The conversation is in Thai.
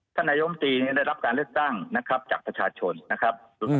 นายมตรีได้รับการเลือกตั้งนะครับจากประชาชนนะครับ